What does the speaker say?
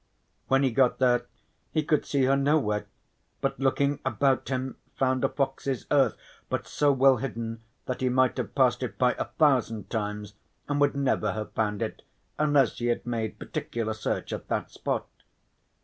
When he got there he could see her nowhere, but looking about him found a fox's earth, but so well hidden that he might have passed it by a thousand times and would never have found it unless he had made particular search at that spot.